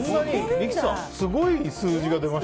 三木さん、すごい数字が出ました。